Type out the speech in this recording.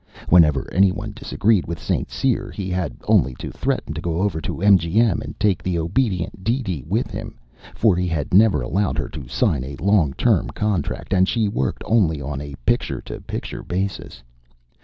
Whenever anyone disagreed with St. Cyr, he had only to threaten to go over to MGM and take the obedient DeeDee with him, for he had never allowed her to sign a long term contract and she worked only on a picture to picture basis.